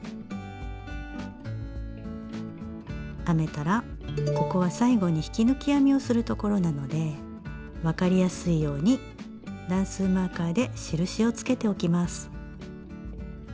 編めたらここは最後に引き抜き編みをするところなのでわかりやすいように段数マーカーで印をつけておきます。